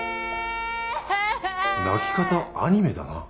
泣き方アニメだな。